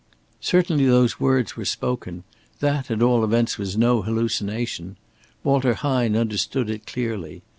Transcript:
Certainly those words were spoken that at all events was no hallucination. Walter Hine understood it clearly.